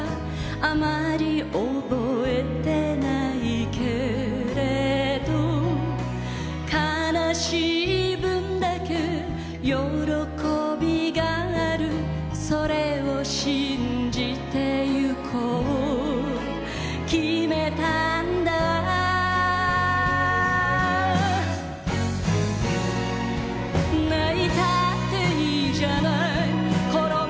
あまり覚えてないけれど悲しい分だけ喜びがあるそれを信じていこう決めたんだ泣いたっていいじゃない転ん